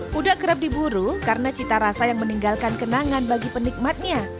kuda kerap diburu karena cita rasa yang meninggalkan kenangan bagi penikmatnya